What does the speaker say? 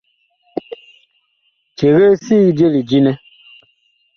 Cegee sig je lidi nɛ.